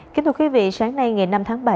kính thưa quý vị sáng nay ngày năm tháng ba